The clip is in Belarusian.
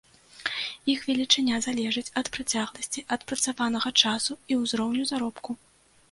Іх велічыня залежыць ад працягласці адпрацаванага часу і ўзроўню заробку.